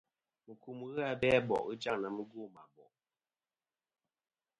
Mùkum ghɨ abe a bò' ghɨ jaŋ na mugwo mɨ a bò'.